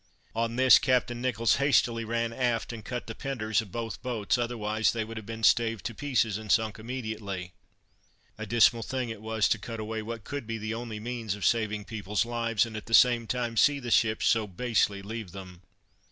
On this Captain Nicholls hastily ran aft, and cut the penters of both the boats, otherwise they would have been staved to pieces, and sunk immediately. A dismal thing it was to cut away what could be the only means of saving the people's lives, and at the same time see the ships so basely leave them.